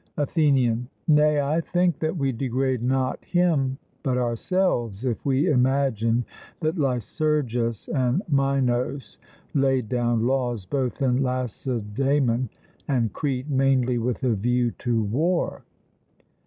ATHENIAN: Nay, I think that we degrade not him but ourselves, if we imagine that Lycurgus and Minos laid down laws both in Lacedaemon and Crete mainly with a view to war.